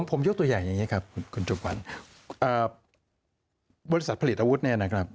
ผมยกตัวอย่างอย่างนี้ครับคุณจุกขวัญบริษัทผลิตอาวุธเนี่ยนะครับ